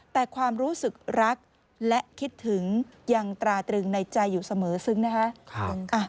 แต่ความรู้สึกรักและคิดถึงยังตราตรึงในใจอยู่เสมอซึ้งนะคะ